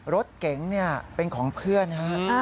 รถเก๋งเป็นของเพื่อนฮะ